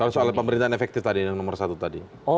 kalau soal pemerintahan efektif tadi yang nomor satu tadi